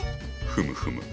ふむふむ。